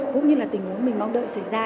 cũng như là tình huống mình mong đợi xảy ra